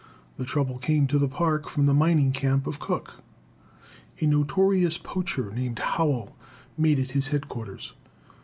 The trouble came to the Park from the mining camp of Cooke. A notorious poacher named Howell made it his headquarters.